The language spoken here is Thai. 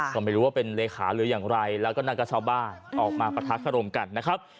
ก็ไม่รู้ว่าเป็นเลขาหรืออย่างไรแล้วก็นั่นก็ชาวบ้านออกมาปะทะคารมกันนะครับ